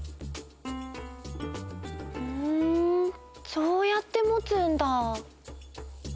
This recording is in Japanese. ふんそうやってもつんだ。